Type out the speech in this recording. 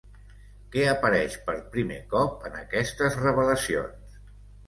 Què apareix per primer cop en aquestes revelacions?